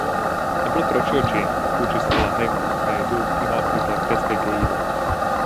Eble pro ĉio ĉi fuĝis el la hejmo miaj du pli-malpli plenkreskaj geidoj.